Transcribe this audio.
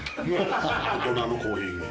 大人のコーヒー牛乳。